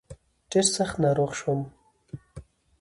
ډېر سخت ناروغ شوم.